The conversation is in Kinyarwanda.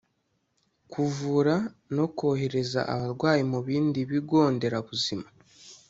kuvura no kohereza abarwayi mu bindi bigo nderabuzima